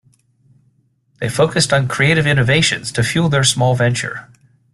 They focused on creative innovations to fuel their small venture.